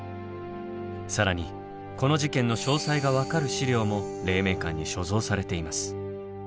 更にこの事件の詳細が分かる資料も黎明館に所蔵されています。